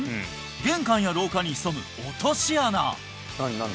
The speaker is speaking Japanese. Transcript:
玄関や廊下に潜む落とし穴！